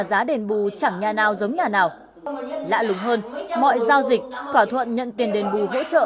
giá đền bù chẳng nhà nào giống nhà nào lạ lùng hơn mọi giao dịch thỏa thuận nhận tiền đền bù hỗ trợ